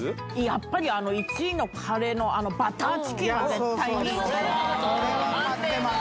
やっぱり１位のカレーのバターチキンは絶対にそうそうこれは買ってます